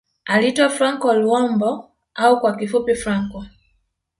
Aliitwa Franco Luambo au kwa kifupi Franco